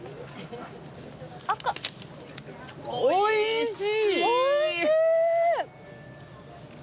おいしい。